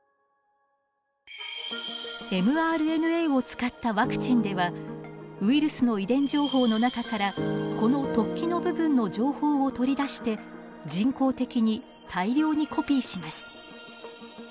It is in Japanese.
ｍＲＮＡを使ったワクチンではウイルスの遺伝情報の中からこの突起の部分の情報を取り出して人工的に大量にコピーします。